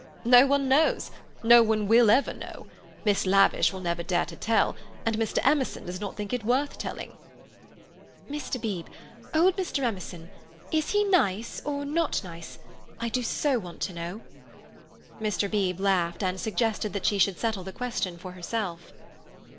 "No one knows. No one will ever know. Miss Lavish will never dare to tell, and Mr. Emerson does not think it worth telling." "Mr. Beebe—old Mr. Emerson, is he nice or not nice? I do so want to know." Mr. Beebe laughed and suggested that she should settle the question for herself.